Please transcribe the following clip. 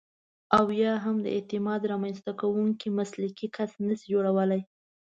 او یا هم د اعتماد رامنځته کوونکی مسلکي کس نشئ جوړولای.